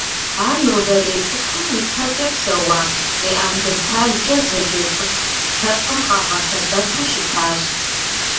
Ар нобэрей цӏыхум ипэкӏэ псэуа Неандрталкӏэ зэджэ цӏыху лъэпкъым къагъэсэбэпу щытащ.